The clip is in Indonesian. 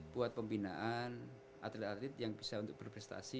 buat pembinaan atlet atlet yang bisa untuk berprestasi